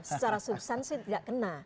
secara substansi tidak kena